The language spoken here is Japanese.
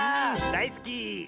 だいすき！